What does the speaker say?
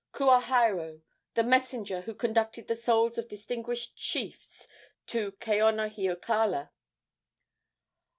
Kuahairo, the messenger who conducted the souls of distinguished chiefs to Kaonohiokala.